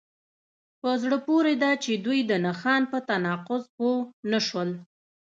په زړه پورې ده چې دوی د نښان په تناقض پوه نشول